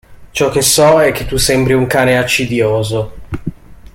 Ciò che so è che tu sembri un cane accidioso.